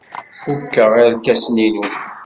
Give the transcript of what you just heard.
Fukeɣ irkasen-inu.